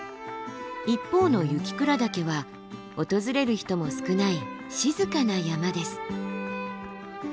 一方の雪倉岳は訪れる人も少ない静かな山です。